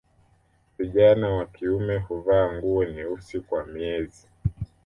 Vijana wa kiume huvaa nguo nyeusi kwa miezi